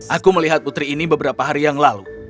aku melihat putri ini beberapa hari yang lalu